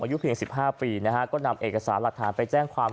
อายุเพียง๑๕ปีนะฮะก็นำเอกสารหลักฐานไปแจ้งความ